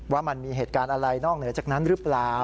ว่ามันมีเหตุการณ์อะไรนอกเหนือจากนั้นหรือเปล่า